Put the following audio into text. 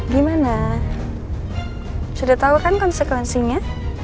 gimana sudah tahu kan konsekuensinya